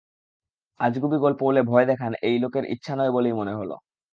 আজগুবি গল্প বলে ভয় দেখান এই লোকের ইচ্ছা নয় বলেই মনে হল।